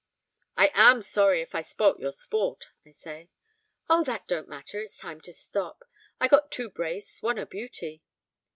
'I am sorry I spoilt your sport!' I say. 'Oh, that don't matter, it's time to stop. I got two brace, one a beauty.'